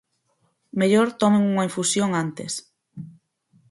Mellor tomen unha infusión antes.